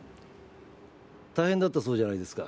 大変だったそうじゃないですか。